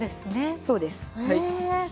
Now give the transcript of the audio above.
そうです。